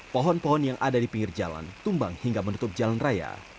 pohon pohon yang ada di pinggir jalan tumbang hingga menutup jalan raya